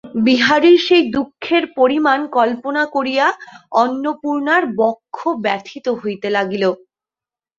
বিহারীর সেই দুঃখের পরিমাণ কল্পনা করিয়া অন্নপূর্ণার বক্ষ ব্যথিত হইতে লাগিল।